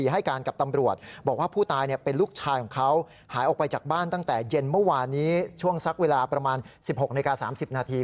หายออกไปจากบ้านตั้งแต่เย็นเมื่อวานนี้ช่วงสักเวลาประมาณ๑๖๓๐นาที